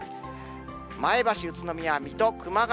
前橋、宇都宮、水戸、熊谷。